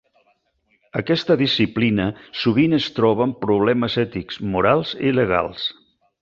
Aquesta disciplina sovint es troba amb problemes ètics, morals i legals.